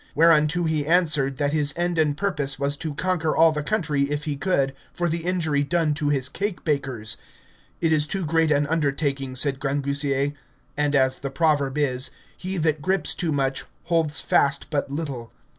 Whereunto he answered, that his end and purpose was to conquer all the country, if he could, for the injury done to his cake bakers. It is too great an undertaking, said Grangousier; and, as the proverb is, He that grips too much, holds fast but little.